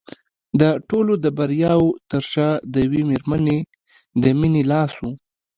د ټولو د بریاوو تر شا د یوې مېرمنې د مینې لاس و